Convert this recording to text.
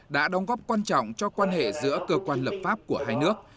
đã đóng góp quan trọng cho quan hệ giữa cơ quan lập pháp của hai nước